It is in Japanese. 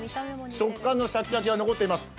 食感のシャキシャキは残っています。